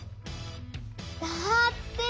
だって！